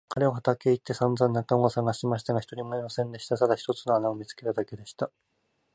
彼は畑へ行ってさんざん仲間をさがしましたが、一人もいませんでした。ただ一つの穴を見つけただけでした。